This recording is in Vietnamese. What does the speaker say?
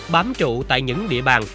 bám trụ tại những địa bàn